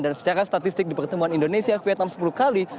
dan secara statistik di pertemuan indonesia vietnam sepuluh kali